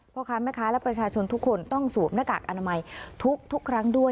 เพราะครั้งนะคะและประชาชนทุกคนต้องสวบหน้ากากอนามัยทุกครั้งด้วย